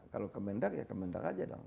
kalau kebendak ya kebendak aja dong